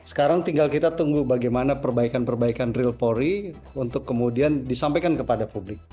sekarang tinggal kita tunggu bagaimana perbaikan perbaikan real polri untuk kemudian disampaikan kepada publik